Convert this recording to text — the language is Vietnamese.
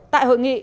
tại hội nghị